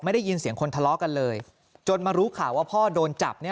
ได้ยินเสียงคนทะเลาะกันเลยจนมารู้ข่าวว่าพ่อโดนจับเนี่ย